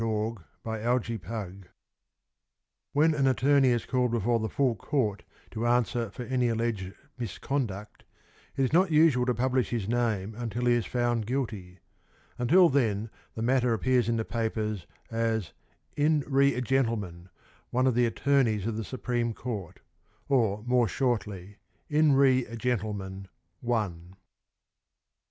"In Re a Gentleman, One" When an attorney is called before the Full Court to answer for any alleged misconduct it is not usual to publish his name until he is found guilty; until then the matter appears in the papers as "In re a Gentleman, One of the Attorneys of the Supreme Court", or, more shortly, "In re a Gentleman, One".